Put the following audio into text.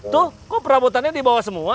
tuh kok perabotannya di bawah semua